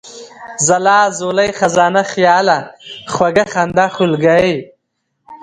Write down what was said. ځلا ، ځولۍ ، خزانه ، خياله ، خوږه ، خندا ، خولگۍ ،